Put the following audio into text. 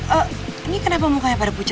eh ini kenapa mukanya pada bunyi